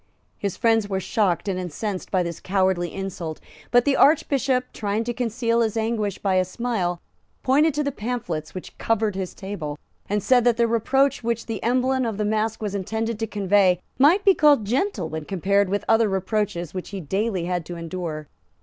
His friends were shocked and incensed by this cowardly insult; but the Archbishop, trying to conceal his anguish by a smile, pointed to the pamphlets which covered his table, and said that the reproach which the emblem of the mask was intended to convey might be called gentle when compared with other reproaches which he daily had to endure.